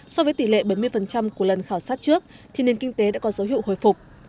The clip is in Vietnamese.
so với tỷ lệ bảy mươi của lần khảo sát trước thì nền kinh tế đã có dấu hiệu hồi phục